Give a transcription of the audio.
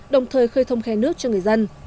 đồng thời khơi thông khe nước cho người dân